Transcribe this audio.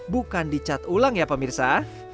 bukan dicat ulang ya pak mirsa